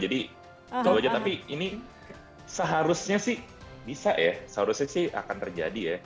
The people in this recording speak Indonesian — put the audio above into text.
jadi coba aja tapi ini seharusnya sih bisa ya seharusnya sih akan terjadi ya